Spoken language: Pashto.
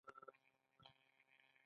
دوهم: ډاکټر صاحب بې حوصلې دی.